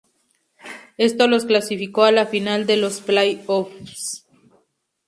Esto los clasificó a la final de los "play-offs".